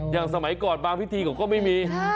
อย่างสมัยก่อนบางพิธีผมก็ไม่มี